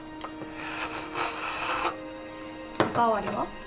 お代わりは？